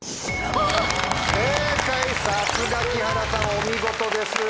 さすが木原さんお見事です。